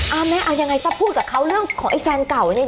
อ้าวแม่อย่างไรซะพูดกับเค้าเรื่องของไอ้แฟนเก่าเนี่ย